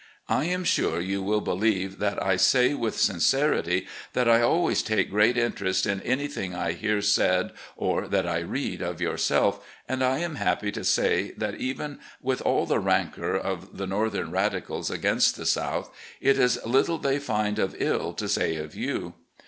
I am sure you will believe that I say with sincerity that I always take great interest in anything I hear said or that I read of yourself, and I am happy to say that, even with all the rancour of the Northern Radicals against the South, it is little they find of ill to say of you.